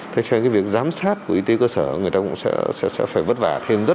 thế cho nên việc giám sát của y tế cơ sở người ta cũng sẽ phải vất vả